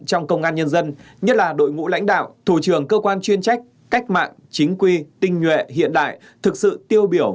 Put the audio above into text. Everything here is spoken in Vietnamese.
trong công an nhân dân nhất là đội ngũ lãnh đạo thủ trưởng cơ quan chuyên trách cách mạng chính quy tinh nhuệ hiện đại thực sự tiêu biểu